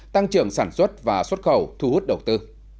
tăng trưởng sản xuất và xuất khẩu thu hút đầu tư